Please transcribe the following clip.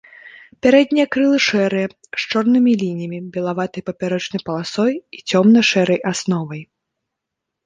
Пярэднія крылы шэрыя, з чорнымі лініямі, белаватай папярочнай паласой і цёмна-шэрай асновай.